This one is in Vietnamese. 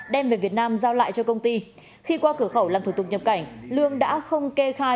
đem về việt nam giao lại cho công ty khi qua cửa khẩu làm thủ tục nhập cảnh lương đã không kê khai